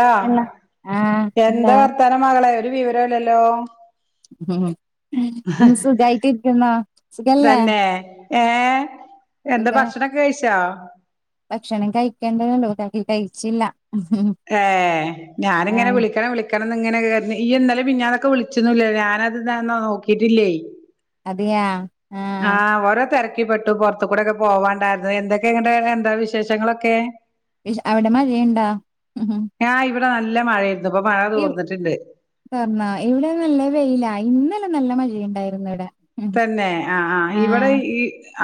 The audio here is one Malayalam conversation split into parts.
ഹലോ അല്ല എന്താ വർത്താനം മകളെ ഒരു വിവരൊ ഇല്ലല്ലോ? ഉം സുഖായിട്ടിരിക്കുന്നു സുഖല്ലേ? ഏഹേഎന്താ സുഖ ഭക്ഷണൊക്കെ കഴിച്ചോ? ഭക്ഷണം കഴിക്കേണ്ടതുള്ളു കാക്കി കഴിച്ചില്ല. ഏഹേ ഞാനിങ്ങനെ ആഹ് വിളിക്കണം വിളി ക്കണംന്ന്ങ്ങനെ അർഞ്ഞ് ഇയ്യ് ഇന്നലിം മിഞ്ഞാന്നൊക്കെ വിളിച്ചിന്നൂല്ലെ ഞാനത് ന്നാ നോക്കിയിട്ടില്ലേ. അതെയാ ആഹ് ഓരോ തെരക്കി പ്പെ ട്ടു പൊർത്തു കൂടെക്കെ പോവാണ്ടായിരുന്നു എന്തൊക്കെ ഇങ്ങട്ട് എന്താ വിശേഷങ്ങളൊക്കെ? വിശേ അവിടെ മഴയിണ്ടോ? ആഹ് ഇവിടെ നല്ല മഴയായിരുന്നു ഇപ്പൊ മഴ തോർന്നിട്ടുണ്ട്. തോർന്നോ ഇവിടെ നല്ല വെയിലാ ഇന്നലെ നല്ല മഴയുണ്ടായിരുന്നു ഇവിടെ. തന്നെ ആഹ് ആഹ് ഇവിടെ ഈ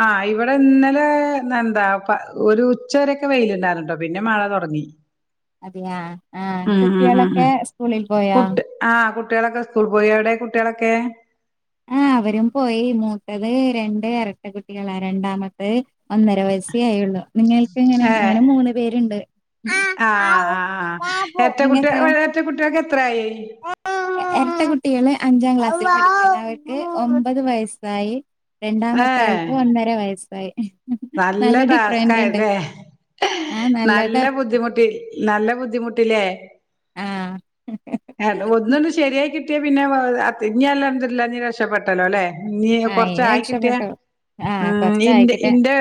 ആഹ് ഇവിടെ ഇന്നലെ എന്താ ഒരു ഉച്ച വരൊക്കെ വെയിലുണ്ടായിരുന്നു ട്ടൊ പിന്നെ മഴ തൊടങ്ങി. അതേയാ ആഹ് കുട്ടിയാളൊക്കെ സ്കൂളിൽ പോയോ? ആഹ് കുട്ടിയാളൊക്കെ സ്കൂൾ പോയി എവിടെ കുട്ടിയാളൊക്കെ? ആഹ് അവരും പോയി മൂത്തത് രണ്ട് എരട്ട കുട്ടികളാ രണ്ടാമത്തെ ഒന്നര വയസ്സ ആയൊള്ളൂ. ഏഹേ ആഹ് ആഹ് ആഹ് നിങ്ങക്ക് എരറ്റ കുട്ടിയ ക്ക് എത്രായി എരട്ട കുട്ടികള് അഞ്ചാം ക്ലാസ്സില് പഠിക്കുന്നു അവർക്ക് ഒമ്പത് വയസ്സായി ഏ രണ്ടാമത്താൾക്ക് ഒന്നര വയസ്സായി നല്ല ഡിഫറന്റ് ഉണ്ട് ടാസ്ക്കായല്ലേ? ആ നല്ല നല്ലതാ ബുദ്ധിമുട്ടി നല്ല ബുദ്ധിമുട്ടിയില്ലേ? ആ ഒന്നൊന്ന് ശരിയായി കിട്ട യാ പിന്നെ ഇനി അൽഹംദുലില്ല ഇഞ്ഞ് രക്ഷപ്പെട്ടല്ലോ ല്ലേ? ഇഞ് ആ ഇനി കൊറച്ചായി കിട്ടിയ രക്ഷപ്പെട്ടു ആ ആഹ് കൊറച്ചായിക്കട്ടെ ഇന്റെ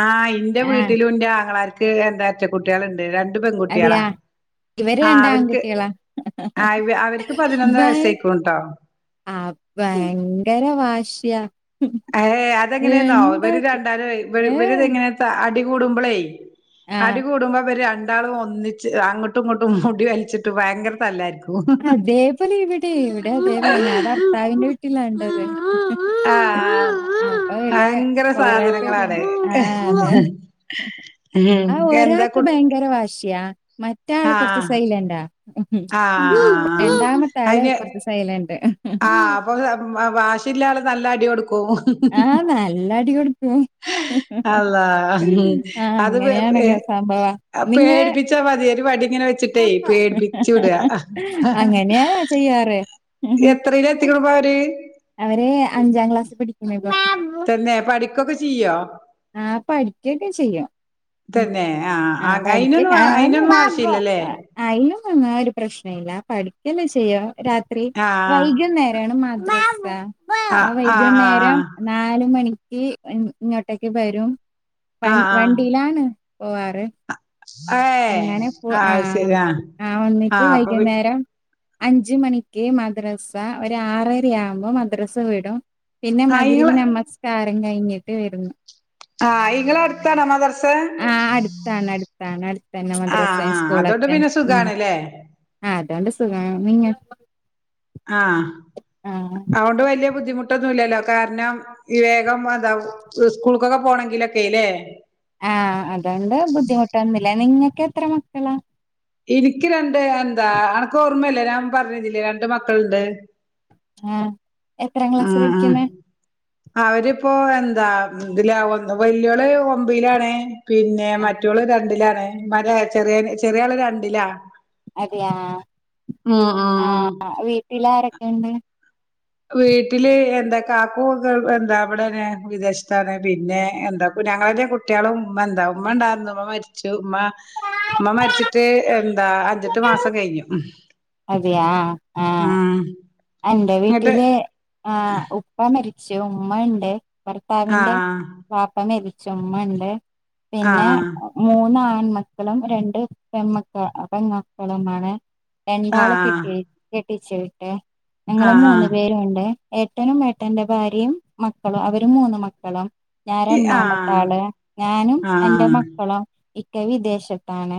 ആഹ് ഇന്റെ ആ വീട്ടിലും ഇന്റെ ആങ്ങളാർക്ക് എരറ്റ കുട്ടികളുണ്ട് രണ്ട് പെൺകുട്ടിയളാ അതെയാ ഇവര് ആഹ് രണ്ട് അവര്ക്ക് ആൺകുട്ടികളാ ആ അവർക്ക് പതിനൊന്ന് ബൈ വയസ്സേയിക്കുണുട്ടോ ആഹ് ഭയങ്കര വാശിയാ ഏഹേ അതെങ്ങെനേന്നോ ഇവര് രണ്ടാക്ക് രണ്ടരും ഏഹ് ഇവര്തിങ്ങനെ അടികൂടുമ്പളേ ആഹ് അടികൂടുമ്പോ ഇവര് രണ്ടാളും ഒന്നിച്ച് അങ്ങോട്ടും ഇങ്ങോട്ടും മുടി വലിച്ചിട്ട് ഭയങ്കര തല്ലായിരിക്കും അതേപോലെ ഇവിടെയും ഇവിടെ അതേപോലെ ഞാൻ ഭർത്താവിന്റെ വീട്ടിലാള്ളത് ആഹ് അപ്പൊ ഇവിടെ ഭയങ്കര കൊറെ സാധനങ്ങളാണ് പേരുണ്ട് ആഹ് അതെ ആ എന്തെ ഒരാൾക്ക് കുട്ടി ഭയങ്കര വശിയാ മറ്റാള് കൊറച്ച് സൈലന്റാ ആഹ് ആഹ് ആഹ് രണ്ടാമത്തെ ആള് അയിന് കൊറച്ച് സൈലണ്ട് ആഹ് അപ്പൊ വാശില്ലാള് നല്ല അടി കൊടുക്കോ ആഹ് നല്ല അടി കൊടുക്കും അള്ളാ ആഹ് അത് അങ്ങനെയാണൊക്കെ സംഭവം നിങ്ങ പേടിപ്പ ച്ച മതിയൊര് വടിങ്ങനെ വെച്ചിട്ടേ പേടിപ്പിച്ചു വിടുക അങ്ങനെയാ ചെയ്യാറ് എത്രീല എത്തിക്കുണു പ്പവര് അവര് അഞ്ചാം ക്ലാസി പഠിക്കുന്ന ഇപ്പം പിന്നെ പഠിക്കൊക്കെ ചെയ്യോ ആഹ്പടിക്കൊക്കെ ചെയ്യും ഉം തന്നെ ആഹ് പഠിക്ക അയിനൊന്നും അയിനൊന്നും ആവശ്യല്ലല്ലേ [unintelligible] അയിലും ഒന്നും ഒരു പ്രശ്ന ഇല്ല പഠിക്കൊക്കെ ചെയ്യോ രാ- ത്രി ആഹ് വൈകുന്നേരാണ് മാദ്രസ ആ ആഹ് ആഹ് ആഹ് വൈകുന്നേരം നാല് മണിക്ക് ഇങ്ങോട്ടേക്ക് വരും വ ആഹ് ആഹ് വണ്ടിയിലാണ് പോവാറ് അങ്ങനെ പോ ആഹ് ആഹ് വന്നിട്ട് ആഹ് അപ്പൊ വൈകുന്നേരം അഞ്ച് മണിക്ക് മദ്രസ ഒര് ആറര ആവുമ്പോ മദ്രസ വിടും പിന്നെ ആഹ് മഗ്രിബ് ഇങ്ങള് നമസ്കാരം കഴിഞ്ഞിട്ട് വരുന്നു ആ ഇങ്ങളെ അടുത്താണോ മദ്രസ ആഹ് അടുത്താണ് അടുത്താണ് അടുത്തന്നെ മദ്രസ ആഹ് ആഹ് അതോണ്ട് സ്കൂളൊക്കെ പിന്നെ ഉ സുഖാണല്ലേ ആഹ് അതോണ്ട് സുഖാണ് നിങ്ങ ആഹ് ആ അതൊണ്ട് വലിയ ബുദ്ധിമു ട്ടൊന്നുമല്ലല്ലോ കാരണം ഈ വേഗം എന്താ സ്കൂൾക്കൊക്കെ പോണമെങ്കിലൊക്കെല്ലേ ആ അതോണ്ട് ബുദ്ധിമുട്ടൊന്നുല്ല നിങ്ങൾക്ക് എത്ര മക്കളാ ഇനിക്ക് രണ്ട് എന്താ അനക്ക് ഓർമ്മയില്ല ഞാൻ പറഞ്ഞുന്നില്ലേ രണ്ട് മക്കളുണ്ട് ആഹ് ആഹ് ആഹ് അവരിപ്പോ എന്താ ഇതിലാ വല്ലിയോള് ഒമ്പയിലാണേ പിന്നെ ആ മറ്റോള് രണ്ടിലാണ് മല ചെറിയ ചെറിയാള് രണ്ടിലാ അതെയാ ഉം ഉം ആ ഉം വീട്ടിൽ ആരൊക്കെണ്ട് വീട്ടില് എന്തൊക്ക കാക്കു എന്താ ഇവിടേന് വിദേശത്താണ് പിന്നെ എന്താക്ക ഞങ്ങള കുട്ട കുട്ടികളും ഉമ്മ എന്താ ഉമ്മ ഉണ്ടായിരുന്നു ഉമ്മ മരിച്ചു ഉമ്മ ഉമ്മ മരിച്ചിട്ട് എന്താ അഞ്ചെട്ട് മാസം കഴിഞ്ഞു അതിയാ ആഹ് ആഹ് ഉം അന്റെ ഇങ്ങട്ട് വീട്ടില് ആഹ് ഉപ്പ മരിച്ചു ഉമ്മണ്ട് ഭർത്താവിന്റെ ആഹ് വാപ്പ മരിച്ചുമ്മണ്ട് പിന്നെ ആഹ് മൂന്ന് ആൺമക്കളും രണ്ട് പെമക്കൾ പെമക്കളുംമാണ് രണ്ടാള് ആഹ് കെട്ടി കെട്ടിച്ച് വിട്ട് ഞങ്ങള് ആഹ് മൂന്ന് പേരും ഉണ്ട് ഏട്ടനും ഏട്ടന്റെ ഭാര്യയും മക്കളും അവര് മൂന്ന് മക്കള ഞാൻ ആഹ് ആഹ് രണ്ടാമത്തെ ആള് ഞാനും എന്റെ മക്കളും ഇക്ക വിദേശത്താണ്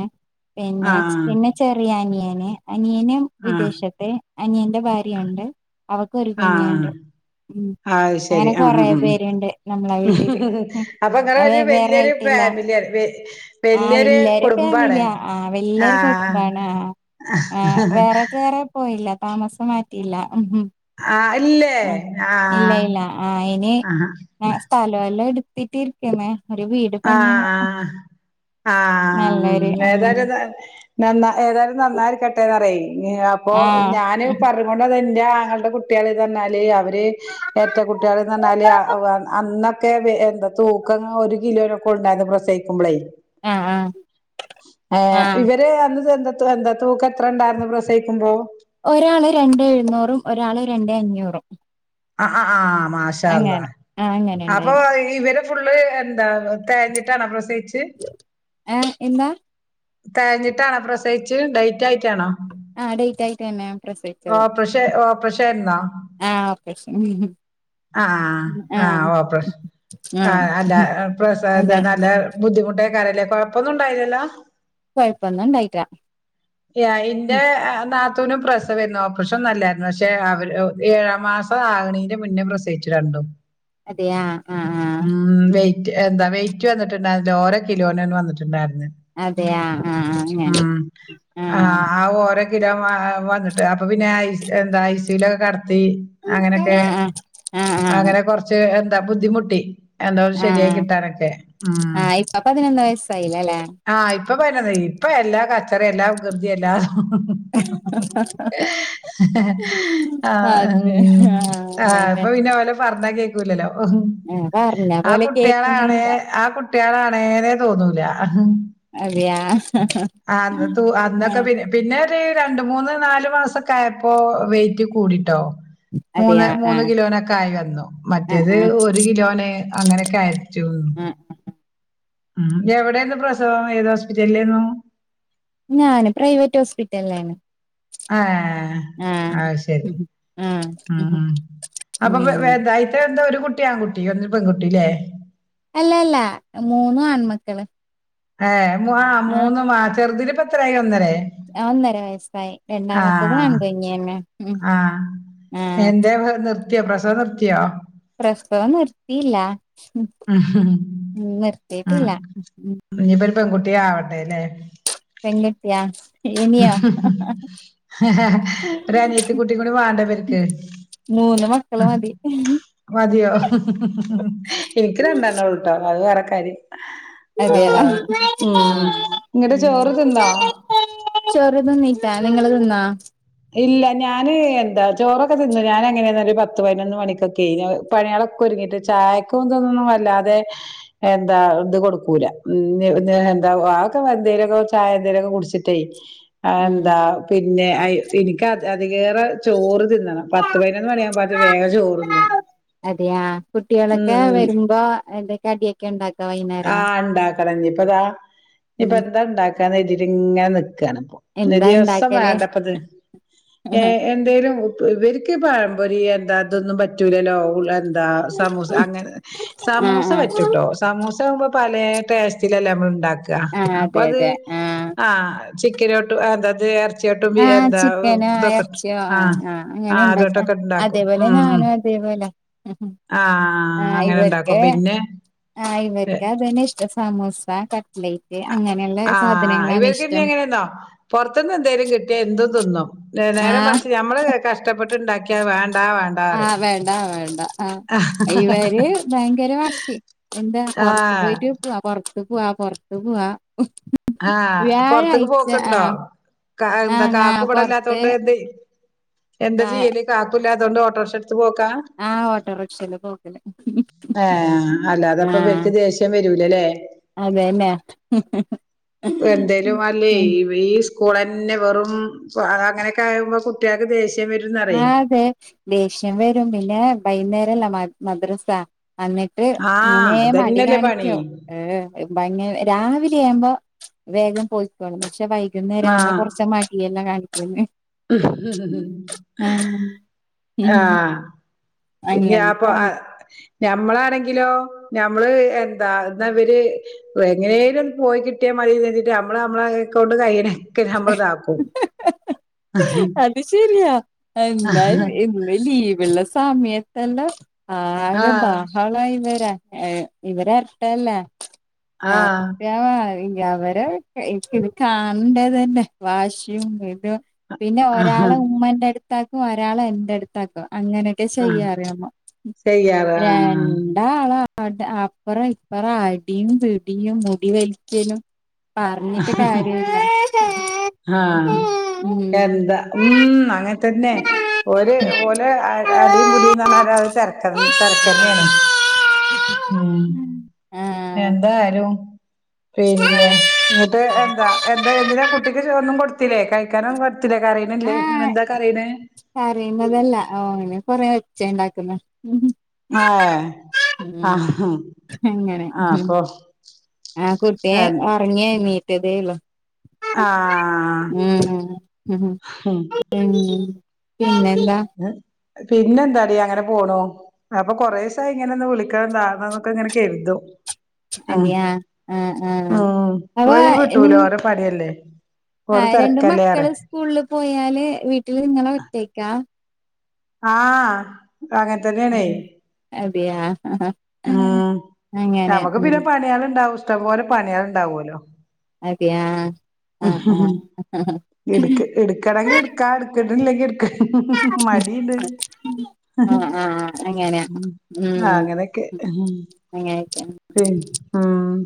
ആഹ് പിന്നെ ചെ പിന്നെ ആഹ് ചെറിയ അനിയന് അനിയനും ആഹ് വിദേശത്ത് അനിയന്റെ ഭാര്യണ്ട് അവക്ക് ഒരു കുഞ്ഞുണ്ട് ഉം ആത് ശെരി അങ്ങനെ ആഹ് കൊറേ ഉം ഉം പേരുണ്ട് നമ്മളെ വീട്ടില് ഉം അപ്പൊ അത് ങ്ങളൊര് വെവ്വേറെ വല്യൊരു ആയിട്ടില്ല ഫാമിലിയാണ് ആഹ് വല്യൊരു വല്ല്യോര് കുടുംബാണ് ഫാമിലിയാ ആഹ് വല്ല്യോരു ആഹ് കുടുംബാണ് ആഹ് ഹ ആഹ് ഹ ഹ ഹ വേറെ വേറെ പോയില്ല താമസം മാറ്റിയില്ല ആഹ് ഇല്ലേ ആഹ് ഇല്ല ആഹ് ഇല്ല ആഹ് ഇനി ആഹ് സ്ഥലോഎല്ലാം എടുത്തിട്ടിരിക്ക്ന്നേ ഒരു വീ ആഹ് ആഹ് ആഹ് ഉം ഏതായാലും താ നന്ന ഏതായാലും നന്നായിരിക്കട്ടെന്നറിയെ അപ്പോ ആഹ് ഞാന് പറ അതുകൊണ്ടതെന്റെ ആങ്ങൾടെ കുട്യാള് തന്നാല് അവര് എരട്ട കുട്യാള്ന്ന് പറഞ്ഞാല് അ വ അന്നൊക്കെ പി എന്താ തൂക്കങ്ങ ഒര് കിലോനൊക്കെ ഉണ്ടായിര്ന്ന് പ്രസവിക്കുമ്പളേ ആഹ് ആഹ് ഏഹ് ആഹ് ഇവ ന്റെ അന്ന് ചെർത് എന്താ തു എന്താ തൂക്കെത്രണ്ടായിരുന്നു പ്രസവിക്കുമ്പോ ഒരാള് രണ്ടെ എഴുന്നൂറും ഒരാള് രണ്ടെ അഞ്ഞൂറും ആഹ് ആഹ് ആഹ് മാഷാഅള്ളാ അങ്ങനെ ആഹ് അങ്ങനെ അപ്പൊ ഉണ്ടായിരുന്നു ഇവര് ഫുള്ള് എന്താണ് തെയഞ്ഞിട്ടാണോ പ്രസവിച്ചത് ഏഹ് എന്താ തെയഞ്ഞിട്ടാണോ പ്രസവിച്ചെ ഡെയ്റ്റായിറ്റാണോ ആഹ് ഡേറ്റ് ആയിട്ട് തന്നെ പ്രസവിച്ചത് ഓപ്രഷേ ഓപ്രഷേര്ന്നൊ ആഹ് ഓപ്രഷ ഉം ഉം ആഹ് ആഹ് ഓപ്രഷ ആഹ് അല്ല അതെ പ്രസവവേദന അല്ല ബുദ്ധിമുട്ടേയ്ക്കാരല്ലേ കൊഴപ്പൊന്നു ഉണ്ടായില്ലല്ലോ കൊഴപ്പൊന്നും ഇണ്ടായിറ്റ ആഹ് ഇന്റെ നാത്തൂനും പ്രസവേര്ന്നു ഓപ്രഷോനൊല്ലായിരുന്നു പക്ഷെ അവര് ഏഴാം മാസ പ്പോ ആക്ണീന്റെ മുന്നെ പ്രസവിച്ചു രണ്ടും അതെയ ആഹ് ആഹ് ആഹ് ഉം വെയിറ്റ് എന്താ വെയിറ്റ് വന്നിട്ടുണ്ടായിരുന്നില്ല ഓരോ കിലോനോയ്ന്നു വന്നിട്ടുണ്ടായിര്ന്നെ അതെയ ആഹ് ആഹ് അങ്ങനെ ആഹ് ആഹ് ഓരോ കിലോ വ വന്നിട്ട് അപ്പൊ പിന്നെ ഐ എന്താ ഐ സൂലൊക്കെ കട്ത്തി അങ്ങനെയൊക്കെ ആഹ് അങ്ങനെ കൊറച്ച് എന്താ ബുദ്ധിമുട്ടി എന്തോന്ന് ആ ശരിയായി കിട്ടാനൊക്കെ ഉം ആ ഇപ്പ പതിനൊന്ന് വയസ്സായില്ലല്ലേ ആഹ് ഇപ്പൊ പിന്നെന്ത ഇപ്പയെല്ലാ കച്ചറെയെല്ലാ വികൃതി എല്ലാ ആഹ് അതെ ഉം ആ ആഹ് അങ്ങനെ പിന്നെ ഓലെ പറഞ്ഞ കേക്കൂലല്ലോ പറഞ്ഞ പോലെ ആകുട്യാളാണ് കേക്കുന്നില്ല ആ കു ട്ട്യാളാണേനേ തോന്നൂല അതെയാ ആ അന്ന് തൂ ആ അന്നൊക്കെ പിന്നെയും പിന്നൊര് രണ്ട് മൂന്ന് നാല് മാസൊക്കായപ്പോ വെയിറ്റ് കൂടിട്ടോ മൂന്ന് അതെയാ ആ മൂന്ന് കിലോനൊക്കെ ആയി വന്നു ആ മറ്റേത് ആ ഒരു കിലോന് അങ്ങനൊക്കെ ആയിറ്റു ആ ഉം എവിടേന്നു പ്രസവം ഏത് ഹോസ്പിറ്റൽലേന്നു ഞാന് പ്രൈവറ്റ് ഹോസ്പിറ്റൽലാണ്. ഏഹ് അയ്ശരി ആ ഉം ഉം അപ്പൊ വ ഇതായിറ്റ എന്തോ ഒരു കുട്ടി ആൺകുട്ടി ഒന്ന് പെൺകുട്ടില്ലേ അല്ലല്ല മൂന്നും ആൺമക്കള് ഏഹ് മൂ ആഹ് മൂന്ന് ആ ചെറുതിന്പ്പെത്രായി ഒന്നരേ ഒന്നര വയസ്സായി രണ്ടാമത്തതും ആഹ് ആൺകുഞ്ഞെന്നെ ഉം ആഹ് എങ്ങ് ന്ർ ത്തിയോ പ്രസവം നിർത്തിയോ? പ്രസവം നിർത്തിയില്ല ഉം നിർത്തീട്ടില്ല ഉം ഇഞ്ഞ്പ്പൊരു പെൺകുട്ടിയാവട്ടെ അല്ലേ പെൺകുട്ടിയാ ഇനിയോ ഒരനിയത്തി കുട്ടി കൂടി വാണ്ടെ ഇവര്ക്ക് മൂന്ന് മക്കള് മതി മതിയോ എന്ക്ക് രണ്ടെണ്ണൊള്ളൂ ട്ടോ അത് വേറെ കാരൃം അതെയ അള്ളാ ഉം ഉം ഇങ്ങട്ട് ചോറ് തിന്നാ ചോറ് തിന്നില്ലാ നിങ്ങള് തിന്നാ ഇല്ല ഞാന് എന്താ ചോറൊക്കെ തിന്നു ഞാനെങ്ങനേന്നറിയോ ഒരു പത്ത് പതിനൊന്ന് മണിക്കൊക്കെയെ പണിയളൊക്കൊരുങ്ങീട്ടെ ചായക്കും ഇതൊന്നും വല്ലാതെ എന്താ ഇത് കൊടുക്കൂല ഉം ഇത് എന്താ അതൊക്കെപ്പ എന്തേലൊക്കെ ചായെന്തേലൊക്കെ കുടിച്ചിട്ടേ ഉം അയെന്താ പിന്നെ അയ് ഇന്ക്ക് അ അതിലേറെ ചോറ് തിന്നണം പത്ത് പതിനൊന്ന് മണിയാവുമ്പൊ മറ്റും വേഗം ചോറ്ണ്ണും അതെയാ കുട്ടിയോളക്കെ വെരുമ്പോ എന്തേ കടിയൊക്കെണ്ടാക്കാ വൈന്നേരം കളഞ്ഞിപ്പതാ ഇന്പ്പെന്താണ്ടാക്കാന്ന് കര്തീട്ട്ങ്ങനെ നിക്ക്വാണ് ഇപ്പൊ ഇനി എന്താ ദിവസം ഇണ്ടാക്കല് വേണ്ടപ്പത്ത്ന് ആഹ് ഏഹ് എന്തേലുംപ്പ ഇവര്ക്ക് പഴമ്പൊരീ എന്താ ഇതൊന്നും പറ്റൂലല്ലോ പുള്ളാര് ന്താ സമൂസ അങ്ങനെ സമൂസ ആഹ് പറ്റൂട്ടോ സമൂസ ആകുമ്പോ പലേ ടേസ്റ്റിലല്ലേ നമ്മള്ണ്ടാക്ക ആഹ് അപ്പ അതെ അത് അതെ ആഹ് ചിക്കന്ട്ടും അതത് എറച്ചിയോട്ടും ബിയ ആഹ് ന്താ ഓഹ് ചിക്കനോ ഇതൊക്കെട്ട് ഇറച്ചിയോ ആഹ് അങ്ങനെ ആഹ് ഉണ്ടാക്ക അതൊട്ടൊക്കെണ്ടാക്കും അതേപോലെ ഉം ഉം ഞാനും അതേപോലെ ആഹ് അങ്ങനെണ്ടാക്കും പിന്നെ ആഹ് ഇവർക്ക് അതെന്നെഷ്ടം സമോസ കട്ട്ലേറ്റ് അങ്ങനെള്ള സാധനങ്ങളാണ്ഷ്ടം തിന്നോ പൊറത്ത്ന്നെന്തേലും കിട്ടിയ എന്തും തിന്നും ല്ലേ നേരെ ആഹ് മറിച്ച് ഞമ്മള് കഷ്ടപ്പെട്ട്ണ്ടാക്കിയാ വേണ്ടാ വേ ആഹ് വേണ്ടാ വേണ്ടാ ആഹ് പറയും ഇവര് ഭയങ്കര വാശി എന്താ പൊറത്ത് ആഹ് പോയിട്ട് ട്ട്വാ പൊറ്ത്ത് പോവാ പൊറ്ത്ത് പോവാ ആഹ് പൊറത്ത്ക്ക് വ്യാഴാഴ്ച പോക്ക്ണ്ടോ ആഹ് കാ എന്താ ആഹ് ഞാ പൊറത്ത് കാക്കുവടെല്ലാത്തോണ്ട് എന്ത് എന്താ ആഹ് ചെയ്യല് കാക്കുല്ലാത്തോണ്ട് ഓട്ടർഷട്ത്ത് പോക്കാ ആഹ് ഓട്ടോറിക്ഷേല് പോക്കല് ഏഹ് അല്ലാതപ്പ ആഹ് ഇവര്ക്ക് ദേഷ്യം വരൂലല്ലേ അതെല്ലെ വെന്തേലും വല്ലേ ഈ വീസ് കൂളന്നെ വെറും ഇപ്പം അത് അങ്ങനെയൊക്കായ്മ്പോ കുട്ടിയക്ക് ദേഷ്യം വരും ആഹ് അതെ ദേഷ്യം വരും പിന്നേ വൈകുന്നേരല്ലെ മ മദ്റസ അന്നി ട്ട് ആഹ് ഇങ്ങനേ മടി അതന്നെല്ലേ പണി കാണിക്കും ഏഹ് എഹ് ഭയങ്ങര രാവിലേയാമ്പോ വേഗം പോയിക്കോളും പക്ഷെ വൈ കുന്നേരാവുമ്പോ കൊറച്ച് മടിയെല്ലാം കാണിക്കുന്ന് ഉം ഉം ഉം ആഹ് ഉം ആഹ് ഇനി ആപ്പൊ അങ്ങനത്താണ് അഹ് ഞമ്മളാണെങ്കിലോ ഞമ്മള് എന്താ ഇതവര് വെങ്ങനേലും ഒന്ന് പോയി കിട്ടിയാ മതിന്ന് കര്തീട്ട് നമ്മള് നമ്മളെ കൊണ്ട് കയ്യണേ ക്കെ ഞമ്മളിതാക്കും അത് ശെരിയാ എന്നാലും ഇന്ന് ലീവ്ള്ള സമയത്തെല്ലാം ആകെ ആഹ് ബഹളായിരുന്നു രാ ഏഹ് ഇവര ഇരട്ടന്നെ. ഏഹ്, ആഹ് കുട്ടിയാൾ ആയില്ല അവരെ വെ എനിക്ക് ഇത് കാണണ്ടതന്നെ വാശിയും ഇതും പിന്നെ ഒരാളെ ഉമ്മന്റെ അടുത്താക്കും ഒരാളെ എന്റെ അടുത്താക്കും അങ്ങനെ [unintelligible] ആഹ് ചെയ്യാൻ അറിയാമോ ചെയ്യാറ് ആഹ് രണ്ടാളാ ആട്ട് അപ്പറ ഇപ്പറ അടിയും പിടിയും മുടിവലിക്കലും, പറഞ്ഞിട്ട് കാര്യോല്ല ആഹ് ഉം. എന്താ, ഉം അങ്ങൻ തന്നെ ഒര് ഓ ല് അടിയും പുടിയുംന്ന് പറഞ്ഞാല് അത് ഒര് തിരക്ക് തിരക്കന്നെയാണ്. ഉം ആഹ് എന്തായാലും പിന്നെ ഇങ്ങട്ട് എന്താ എന്താ എന്തിനാ കുട്ടിക്ക് ചോറ് ഒന്നും കൊടുത്തിലെ കഴിക്കാനും ഒന്നും കൊടുത്തിലെ കരീനില്ലേ ആഹ് പിന്നെ എന്താ കരീണെ? കരയുന്നതല്ല ഓന് കൊറെ ഒച്ച ഇണ്ടാക്കുന്ന, ഹ് ഹ്. ആഹ് ഉം, ആഹ് അങ്ങനെ ആഹ് ഹും. അപ്പൊ ആഹ്, കുട്ടിയെ ഒറങ്ങി എണീറ്റതേള്ളു. ആഹ് [inaudible] ഉം, ഉം പിന്നെന്താ? ആഹ്, പിന്നെ എന്താടി അങ്ങനെ പോണു. അപ്പൊ കൊറേസായി ഇങ്ങനെ ഒന്ന് വിളിക്കണം കാണണൊന്നൊക്കെ ഇങ്ങനെ കരുതും. ആഹ്, അതെയാ ആഹ് ആഹ് അപ്പൊ നി ഒഴിവ്ട്ടൂല ഓരോ പണിയല്ലേ. ഓള് തെരക്കല്ലേ പറയ്. സ്കൂളിൽ പോയാല് വീട്ടില് ഇങ്ങള് ഒറ്റേക്കാ? ആഹ്, അങ്ങൻ തന്നെയാണെ. അതേയ ആഹ്, ആഹ്. ആഹ്, നമ്മക്ക് പിന്നെ പണിയാള് ഇണ്ടാവും ഇഷ്ടംപോലെ പണിയാള് ഇണ്ടാവൂല്ലോ. അതേയാ, ആഹ്, ആഹ് ഹ് ഹ് ഹ് ഹ് എടുക്കണെങ്കിൽ എടുക്കാ, എടുത്തി ട്ടില്ലെങ്കിൽ എടുക്ക മടീണ്ട് ഇഹ് ഇഹ് ആഹ് ആഹ് അങ്ങനെ ഇഹ് ഉം ആഹ് അങ്ങനെ ക്കെ, ഇഹ്, ഇഹ്. അങ്ങനെയൊക്കെയാണ്. [unintelligible] ആഹ്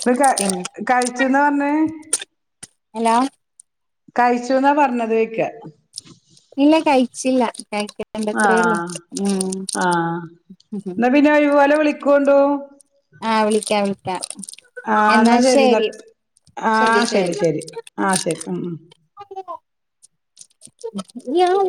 ഇപ്പ ക പിന്നെ കഴിച്ച്ന്നാ പറഞ്ഞേ. ഹലോ കഴിച്ചൂന്നാ പറഞ്ഞത് ചോയ്ക്ക്. ഇല്ല കഴിച്ചില്ല കഴിക്കും. ആഹ്, ആഹ് ഉം ഇന്നാ പിന്നെ ഒഴിവോലെ വിളിക്കേണ്ടൂ. ആഹ്, വിളിക്കാ വിളിക്കാം. ആഹ്, ഇന്നാൽ ശരി ഇന്നാൽ ആഹ് ശരി, ശരി ആഹ് ശരി ഉം, ഉം. [unintelligible]